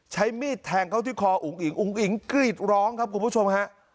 ใช้มีดแทงเขาที่คออุ๋งอิ๋งอุ๋งอิ๋งกรีดร้องครับคุณผู้ชมฮะ